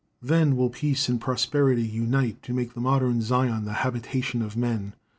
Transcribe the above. Then will peace and prosperity unite to make the modern Zion the habitation of men.